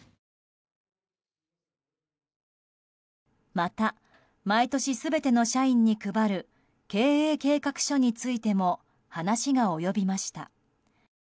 また毎年、全ての社員に配る経営計画書についても話が及びました。